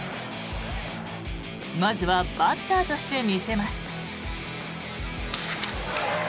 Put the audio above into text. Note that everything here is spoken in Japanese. まずはバッターとして見せます。